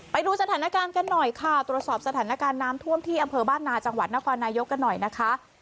ไปดูสถานการณ์กันหน่อยค่ะตรวจสอบสถานการณ์น้ำท่วมที่อำเภอบ้านนาจังหวัดนครนายกกันหน่อยนะคะ